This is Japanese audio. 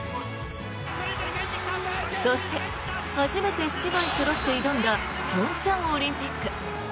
そして初めて姉妹そろって挑んだ平昌オリンピック。